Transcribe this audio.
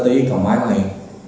thì em cẩn thận